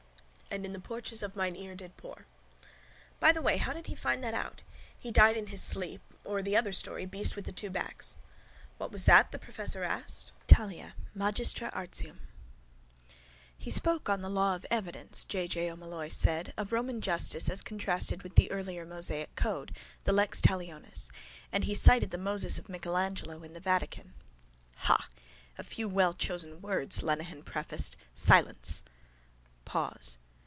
And in the porches of mine ear did pour. By the way how did he find that out? He died in his sleep. Or the other story, beast with two backs? —What was that? the professor asked. ITALIA, MAGISTRA ARTIUM —He spoke on the law of evidence, J. J. O'Molloy said, of Roman justice as contrasted with the earlier Mosaic code, the lex talionis. And he cited the Moses of Michelangelo in the vatican. —Ha. —A few wellchosen words, Lenehan prefaced. Silence! Pause.